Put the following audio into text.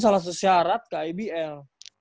salah sesyarat ke ibl